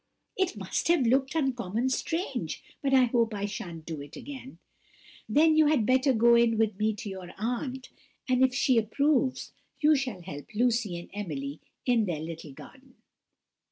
It must have looked uncommon strange, but I hope I shan't do it again." "Then you had better go in with me to your aunt, and if she approves, you shall help Lucy and Emily in their little gardens."